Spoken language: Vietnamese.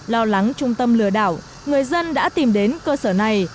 lo lắng trung tâm lừa đảo người dân đã tìm đến cơ sở này